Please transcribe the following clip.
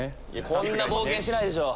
こんな冒険しないでしょ。